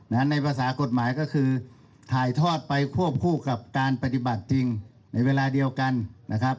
ในภาษากฎหมายก็คือถ่ายทอดไปควบคู่กับการปฏิบัติจริงในเวลาเดียวกันนะครับ